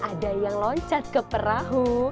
ada yang loncat ke perahu